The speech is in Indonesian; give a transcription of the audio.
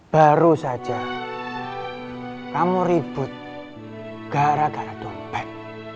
baru saja kamu ribut gara gara dompet